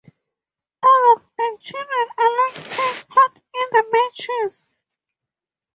Adults and children alike take part in the matches.